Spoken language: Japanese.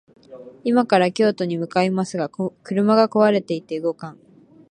今から京都に向かいますが、車が壊れていて動かん